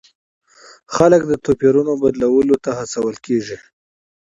خلک د توپیرونو بدلولو ته هڅول کیږي.